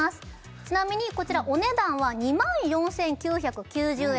ちなみにこちらお値段は２万４９９０円